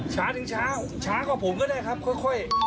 ช้าถึงช้าช้ากว่าผมก็ได้ครับค่อย